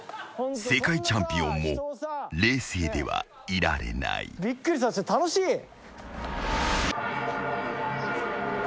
［世界チャンピオンも冷静ではいられない］びっくりさせて楽しい？